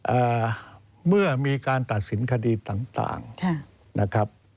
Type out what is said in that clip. เอ่อเมื่อมีการตัดสินคดีต่างนะครับ